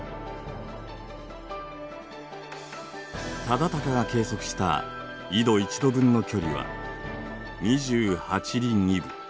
忠敬が計測した緯度１度分の距離は２８里２分。